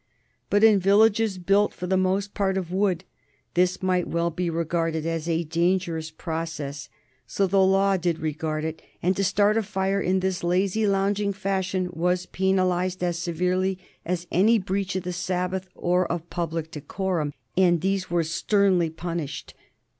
But in villages built for the most part of wood this might well be regarded as a dangerous process. So the law did regard it, and to start a fire in this lazy, lounging fashion was penalized as sternly as any breach of the Sabbath or of public decorum, and these were sternly punished.